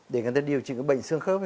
để người ta điều trị cái bệnh xương khớp